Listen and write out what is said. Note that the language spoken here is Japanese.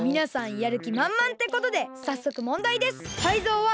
やるきまんまんってことでさっそく問だいです！